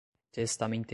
testamenteiro